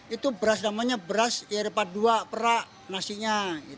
itu beras namanya beras ir empat puluh dua perak nasinya